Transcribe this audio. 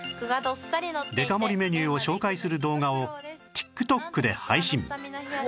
デカ盛りメニューを紹介する動画を ＴｉｋＴｏｋ で配信